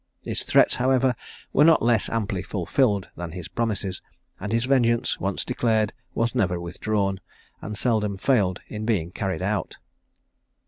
His threats, however, were not less amply fulfilled than his promises; and his vengeance once declared was never withdrawn, and seldom failed in being carried out.